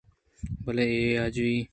بلئے اے آجوئی